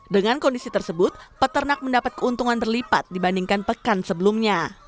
dengan kondisi tersebut peternak mendapat keuntungan berlipat dibandingkan pekan sebelumnya